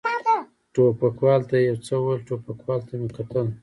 ټوپکوال ته یې یو څه وویل، ټوپکوال ته مې کتل.